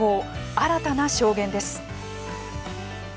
新たな証言です。